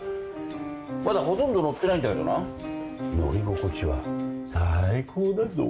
まだほとんど乗ってないんだけどな乗り心地は最高だぞ。